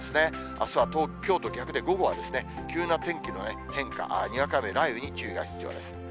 あすはきょうと逆で、午後は急な天気の変化、にわか雨、雷雨に注意が必要です。